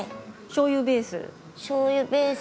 しょうゆベース？